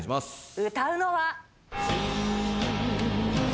歌うのは。